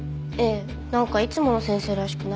なんかいつもの先生らしくないです。